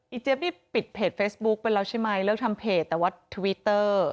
เจี๊ยบนี่ปิดเพจเฟซบุ๊กไปแล้วใช่ไหมเลิกทำเพจแต่ว่าทวิตเตอร์